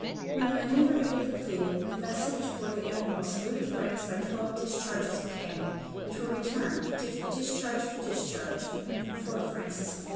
When the maneuver had been completed, the vessel which bore the admiral saluted France by twelve discharges of cannon, which were returned, discharge for discharge, from Fort Francis I.